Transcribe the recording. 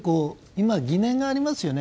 今、疑念がありますよね。